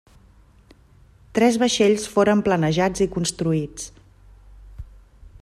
Tres vaixells foren planejats i construïts.